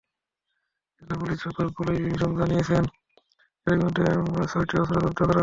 জেলা police super Pralay Chisim জানিয়েছেন, এরই মধ্যে ছয়টি অস্ত্র জব্দ করা হয়েছে।